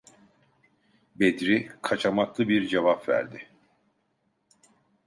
Bedri kaçamaklı bir cevap verdi: